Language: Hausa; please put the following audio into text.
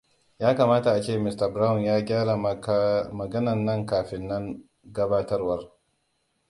Yakamata ace Mista Brown ya gyara magananka kafin gabatarwar.